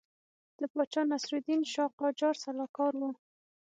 د پاچا ناصرالدین شاه قاجار سلاکار وو.